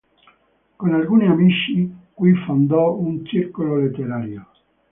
Con alcuni amici qui fondò un circolo letterario.